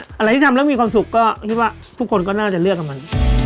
อะไรที่ทำแล้วมีความสุขก็คิดว่าทุกคนก็น่าจะเลือกกับมัน